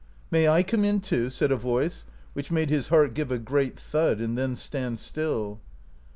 " May I come in too ?" said a voice which made his heart give a great thud and then stand still.